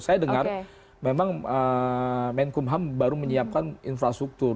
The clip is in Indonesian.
saya dengar memang menkumham baru menyiapkan infrastruktur